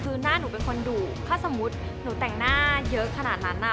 คือหน้าหนูเป็นคนดุถ้าสมมุติหนูแต่งหน้าเยอะขนาดนั้นอ่ะ